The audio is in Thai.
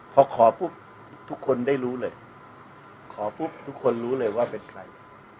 พอขอปุ๊บทุกคนได้รู้เลยขอปุ๊บทุกคนรู้เลยว่าเป็นใคร